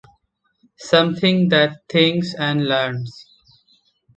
Something that thinks and learns.